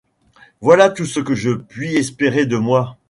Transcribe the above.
Voilà tout ce que je puis espérer de moi.